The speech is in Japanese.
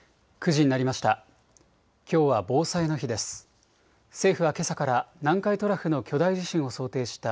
９時になりました。